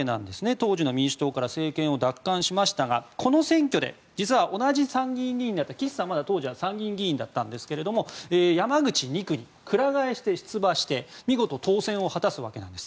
当時の民主党から政権を奪還しましたがこの選挙で実は同じ参議院議員だった岸さんは、まだ当時は参議院議員だったんですが山口２区にくら替えして出馬して見事、当選を果たすわけなんです。